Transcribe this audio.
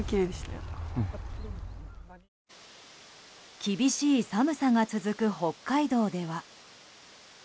厳しい寒さが続く北海道では。